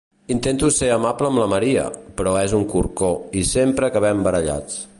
Intento ser amable amb la Maria, però és un corcó i sempre acabem barallats.